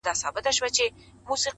حقیقت د وخت په تېرېدو څرګندېږي.!